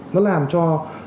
nó làm cho